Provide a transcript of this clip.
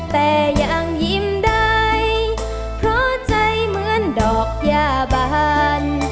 แต่ยังยิ้มได้เพราะใจเหมือนดอกยาบาล